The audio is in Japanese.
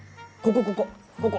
ここここ！